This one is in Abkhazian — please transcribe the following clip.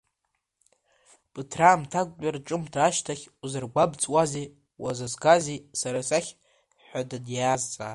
Ԥыҭраамҭактәи рҿымҭра ашьҭахь, узыргәамҵуазеи, уаазгазеи, сара сахь ҳәа даниазҵаа…